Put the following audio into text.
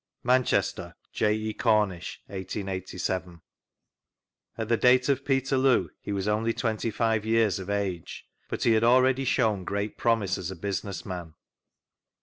(Manchester, J. E. Cornish, 1887.) At the date of Peterloo he was only twenty five years of age, but he bad already shown great promise as a business man.